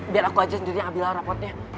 biar aku aja sendiri ambil rapornya